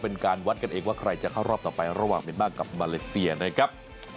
เป็นการวัดกันเองว่าใครจะเข้ารอบต่อไประหว่างเมียนมาร์กับมาเลเซียนะครับ